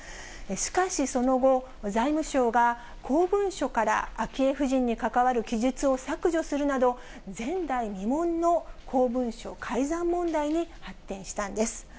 しかしその後、財務省が公文書から昭恵夫人に関わる記述を削除するなど、前代未聞の公文書改ざん問題に発展したんです。